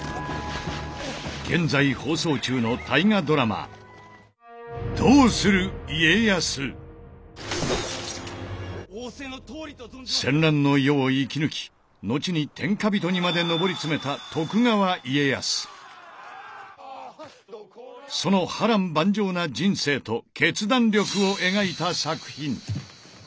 現在放送中の大河ドラマ戦乱の世を生き抜き後に天下人にまで上り詰めたその波乱万丈な人生と「決断力」を描いた作品。